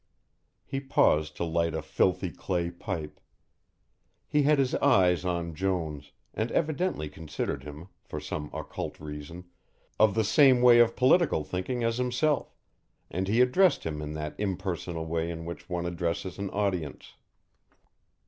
He paused to light a filthy clay pipe. He had his eyes on Jones, and evidently considered him, for some occult reason, of the same way of political thinking as himself, and he addressed him in that impersonal way in which one addresses an audience.